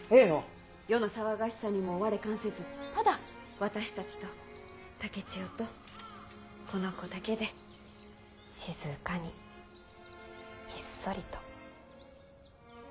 世の騒がしさにも我関せずただ私たちと竹千代とこの子だけで静かにひっそりと。